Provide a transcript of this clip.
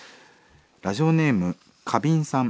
ラジオネーム花瓶さん。